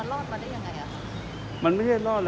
อันนี้มันรอดมาได้ยังไงอ่ะ